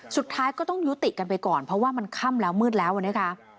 สุดท้ายก็ต้องยุติกันไปก่อนเพราะว่ามันค่ำแล้วมืดแล้วนะคะ